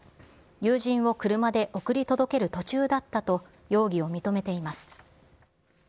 友人を車で送り届ける途中だったと容疑を認めています。